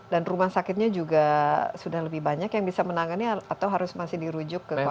dan rumah sakitnya juga sudah lebih banyak yang bisa menangani atau harus masih dirujuk ke kota kota besar